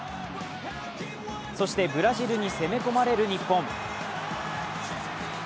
そしてブラジルに攻め込まれる日本。